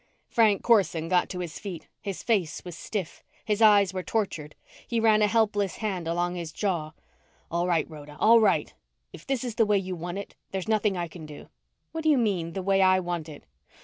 Frank Corson got to his feet. His face was stiff. His eyes were tortured. He ran a helpless hand along his jaw. "All right, Rhoda. All right. If this is the way you want it, there's nothing I can do." "What do you mean the way I want it?